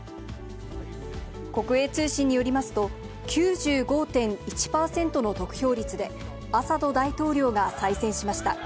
国営通信によりますと、９５．１％の得票率で、アサド大統領が再選しました。